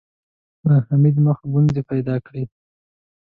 د حميد مخ ګونځې پيدا کړې.